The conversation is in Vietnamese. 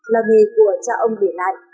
là nghề của cha ông để lại